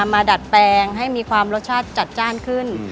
ดัดแปลงให้มีความรสชาติจัดจ้านขึ้น